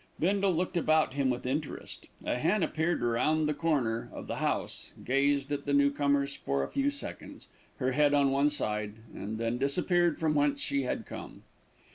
Bindle looked about him with interest. A hen appeared round the corner of the house, gazed at the newcomers for a few seconds, her head on one side, then disappeared from whence she had come.